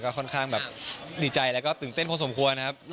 ค่อนข้างแบบดีใจแล้วก็ตื่นเต้นพอสมควรนะครับ